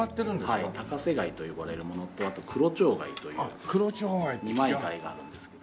はい高瀬貝と呼ばれるものとあと黒蝶貝という二枚貝があるんですけど。